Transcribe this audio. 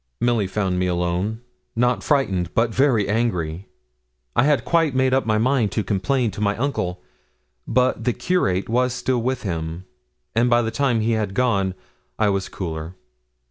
Milly found me alone not frightened, but very angry. I had quite made up my mind to complain to my uncle, but the Curate was still with him; and, by the time he had gone, I was cooler.